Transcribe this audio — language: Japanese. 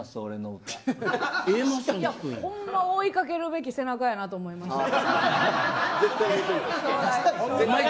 ほんまに、追いかけるべき背中やなと思いました。